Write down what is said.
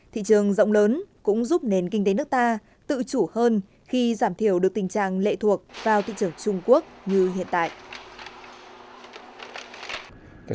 thị trường rộng lớn cũng giúp nền kinh tế nước ta tự chủ hơn khi giảm thiểu được tình trạng lệ thuộc vào thị trường trung quốc như hiện tại